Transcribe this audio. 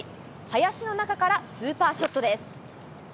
林の中からスーパーショットです。